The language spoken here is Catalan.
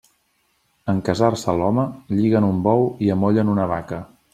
En casar-se l'home, lliguen un bou i amollen una vaca.